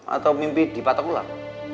atau mimpi di patok ular